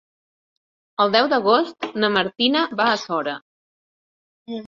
El deu d'agost na Martina va a Sora.